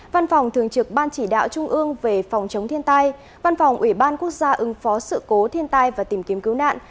văn phòng thường trực ban chỉ đạo trung ương về phòng chống thiên tai văn phòng ủy ban quốc gia ứng phó sự cố thiên tai và tìm kiếm cứu nạn